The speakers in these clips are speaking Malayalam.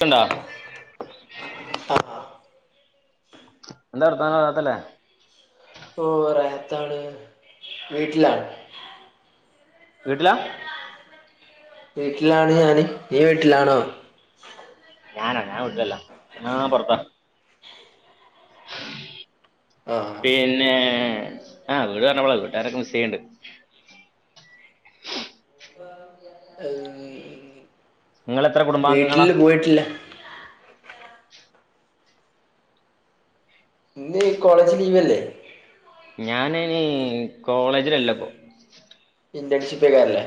കണ്ടാ ആഹ് എന്ത വർത്താനം റാഹത്തല്ലെ ഓഹ് റാഹത്താണ് വീട്ട്ലാണ് വീട്ട്ലാ വീട്ട്ലാണ് ഞാൻ ഇയ്യ് വീട്ട്ലാണൊ ഞാനൊ ഞാൻ വിട്ട്ലല്ല ഞാ പൊറ്ത്ത ആഹ് പിന്നേ. ആഹ് വീട് പറ്ഞ്ഞപ്പളാ വീട്ടാരെക്കെ മിസ്സ്യ്യ്ണ്ണ്ട് നിങ്ങളെത്ര കുടുംബാംഗങ്ങളാ വീട്ട്ല് പോയിട്ടില്ല ഇന്ന് ഈ കോളേജ് ലീവ് അല്ലെ ഞാനയിന് കോളേജിലല്ലപ്പോ ഇന്റഡ്ഷിപ്പ്ക്കാരല്ലെ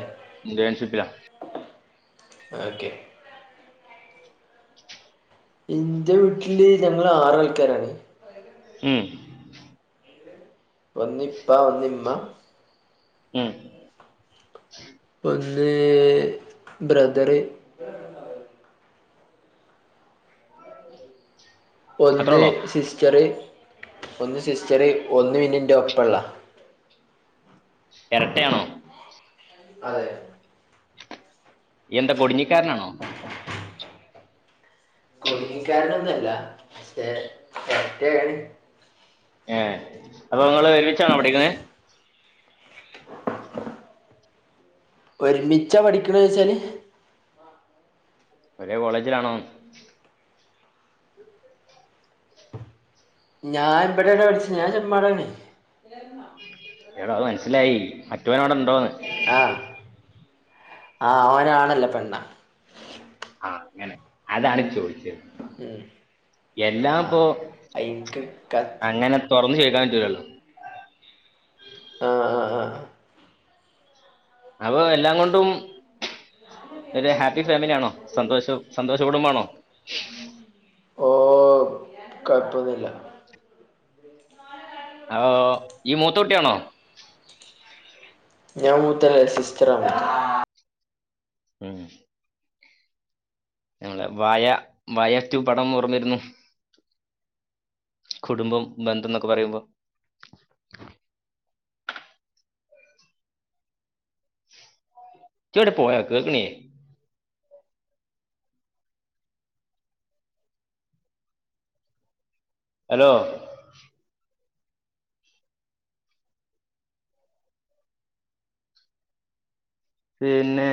ഇന്റെൺഷിപ്പിലാ ഓക്കെ എന്റെ വീട്ടില് ഞങ്ങൾ ആറാൾക്കാരാണ് ഉം ഒന്നിപ്പ ഒന്നിമ്മ ഉം ഒന്ന് ബ്രദറ് ഒന്ന് അത്രേള്ളോ സിസ്റ്ററ് ഒന്ന് സിസ്റ്ററ് ഒന്ന് പിന്നെ എന്റെ ഒപ്പള്ള എരട്ടയാണോ അതെ നീ എന്താ കൊടുഞ്ഞിക്കാരനാണോ കൊടിഞ്ഞികാരനൊന്നുമല്ല പക്ഷെ എരട്ടയാണ് ഏഹ് അപ്പോങ്ങള് ഒരുമിച്ചാണോ പഠിക്കുന്നത് ഒരുമിച്ച പഠിക്കണോയിച്ചാല് ഒരേ കോളേജിലാണോന്ന് ഞാൻ ഇവിടെടാ പഠിച്ച്ണ് ഞാൻ ചെമ്മാടാണ് എട അത് മനസ്സിലായി മറ്റവനോവിടെ ഉണ്ടോന്ന് ആഹ് ആ ഓൻ ആണല്ല പെണ്ണ ആഹ് അങ്ങനെ അതാണ് ചോദിച്ചത് ഉം എല്ലാം ഇപ്പോ ആഹ് അയ്ക്ക് ക തുറന്ന് ചോയിക്കാൻ പറ്റൂലല്ലോ? ആഹ് ആഹ് ആഹ് അപ്പോ എല്ലാം കൊണ്ടും ഒരു ഹാപ്പി ഫാമിലിയാണോ സന്തോഷം സന്തോഷ [unintelligible] കുടുംബാണോ? ഓഹ് കൊഴപ്പൊന്നില്ല അപ്പോ നീ മൂത്തോട്ടിയാണോ ഞാൻ മൂത്തല്ല സിസ്റ്ററാണ് ഉം ഞങ്ങളെ വയ വായ റ്റു പടം ഓർമ്മ വരുന്നു കുടുംബം ബന്ധംന്നൊക്കെ പറയുമ്പോ ജവടെ പോയോ കേൾക്ക്ണി ഹലോ പിന്നെ